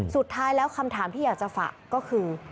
สุดท้ายแล้วคำถามที่อยากจะฝากก็คือ